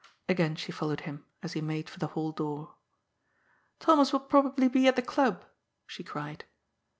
Again she followed him, as he made for the hall door. " Thomas will probably be at the Club," «he cried.